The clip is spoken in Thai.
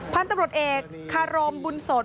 พตพเอกข้ารมบุญสด